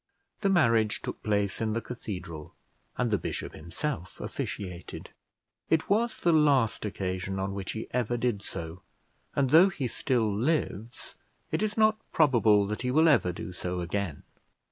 The marriage took place in the cathedral, and the bishop himself officiated. It was the last occasion on which he ever did so; and, though he still lives, it is not probable that he will ever do so again.